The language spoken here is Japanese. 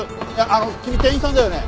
あの君店員さんだよね？